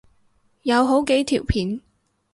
有好幾條片